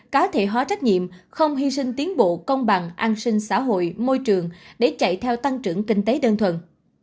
cá thể hóa trách nhiệm không hy sinh tiến bộ công bằng an sinh xã hội môi trường để chạy theo tăng trưởng kinh tế đơn thuần